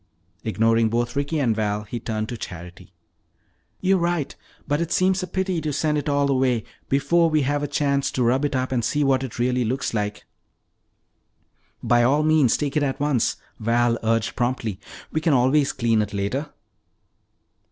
Ignoring both Ricky and Val, he turned to Charity. "You are right. But it seems a pity to send it all away before we have a chance to rub it up and see what it really looks like!" "By all means, take it at once!" Val urged promptly. "We can always clean it later."